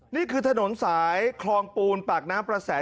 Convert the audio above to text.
นี่คือถนนสายคลองปูนปากน้ำประแส